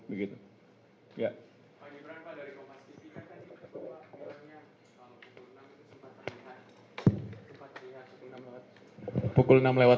sempat terlihat pukul enam lewat sembilan